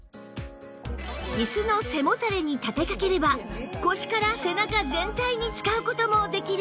イスの背もたれに立てかければ腰から背中全体に使う事もできるんです